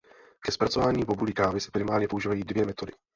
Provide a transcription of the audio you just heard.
Ke zpracování bobulí kávy se primárně používají dvě metody.